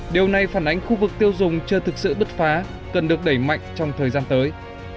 điều này phản ánh khu vực tiêu dùng chưa thực sự bứt phá cần được đẩy mạnh trong thời gian tới